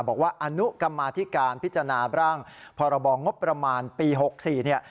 บอกว่าอนุกรรมาธิการพิจารณาร่างพรบงบประมาณปี๖๔เนี่ย